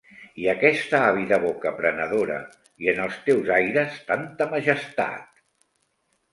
I aquesta àvida boca prenedora, i en els teus aires tanta majestat...